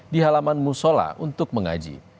di halaman musola untuk mengaji